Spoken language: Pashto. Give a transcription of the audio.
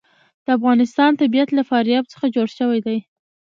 د افغانستان طبیعت له فاریاب څخه جوړ شوی دی.